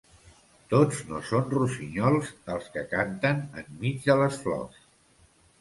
Tots no són rossinyols els que canten en mig de les flors.